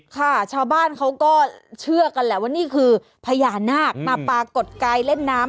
ค่ะชาวบ้านเขาก็เชื่อกันแหละว่านี่คือพญานาคมาปรากฏกายเล่นน้ำ